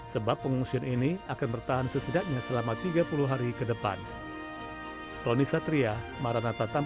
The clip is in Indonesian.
sebab pengungsi yang mengalami pengurusan air bersih diberikan uang yang sangat murah untuk pengguna